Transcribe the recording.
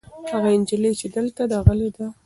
هغه نجلۍ چې دلته ده غلې ده.